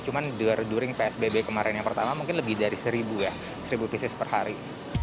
cuma during psbb kemarin yang pertama mungkin lebih dari seribu ya seribu pieces per hari